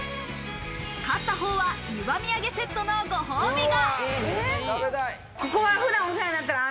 勝ったほうは、ゆば土産セットのご褒美が。